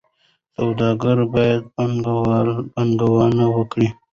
سوداګر باید پانګونه وکړي.